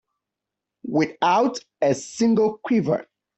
Without a single quiver.